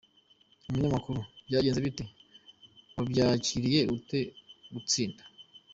Umunyamakuru: Byagenze bite? Wabyakiriye ute gutsinda?.